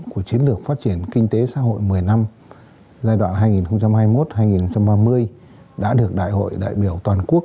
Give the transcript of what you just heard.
của chiến lược phát triển kinh tế xã hội một mươi năm giai đoạn hai nghìn hai mươi một hai nghìn ba mươi đã được đại hội đại biểu toàn quốc